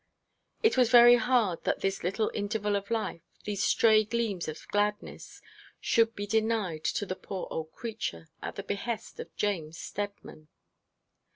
It was very hard that this little interval of life, these stray gleams of gladness should be denied to the poor old creature, at the behest of James Steadman.